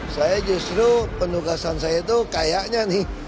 saya justru penugasan saya itu kayaknya nih